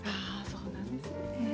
そうなんですね。